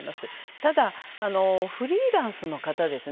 ただ、フリーランスの方ですね。